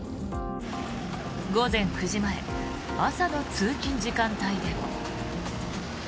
午前９時前朝の通勤時間帯でも。